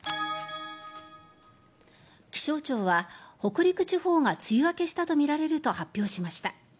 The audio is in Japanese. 気象庁は北陸地方が梅雨明けしたとみられると発表しました。